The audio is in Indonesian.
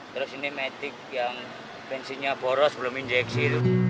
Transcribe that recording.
terus ini metik yang bensinnya boros belum injeksi